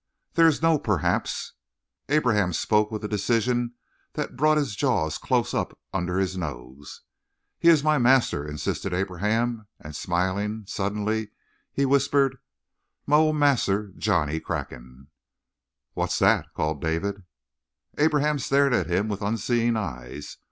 "There is no 'perhaps.'" Abraham spoke with a decision that brought his jaw close up under his nose. "He is my master," insisted Abraham, and, smiling suddenly, he whispered: "Mah ol' Marse Johnnie Cracken!" "What's that?" called David. Abraham stared at him with unseeing eyes.